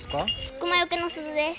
クマよけの鈴です。